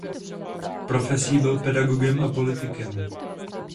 Profesí byl pedagogem a politikem.